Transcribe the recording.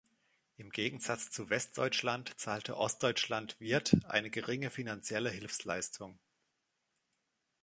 Im Gegensatz zu Westdeutschland zahlte Ostdeutschland Wirth eine geringe finanzielle Hilfsleistung.